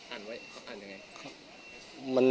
อ่านยังไง